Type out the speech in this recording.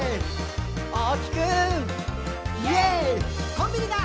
「コンビニだ！